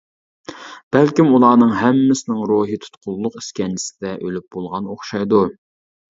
بەلكىم ئۇلارنىڭ ھەممىسىنىڭ روھى تۇتقۇنلۇق ئىسكەنجىسىدە ئۆلۈپ بولغان ئوخشايدۇ.